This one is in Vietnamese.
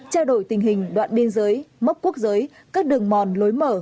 trao đổi tình hình đoạn biên giới mốc quốc giới các đường mòn lối mở